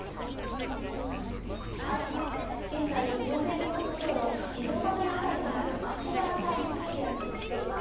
現在、東名高速道路、静岡県辺りにある足柄サービスエリアに来ています。